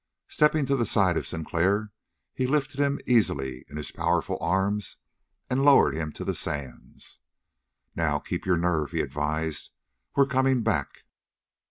Stepping to the side of Sinclair he lifted him easily in his powerful arms and lowered him to the sands. "Now, keep your nerve," he advised. "We're coming back."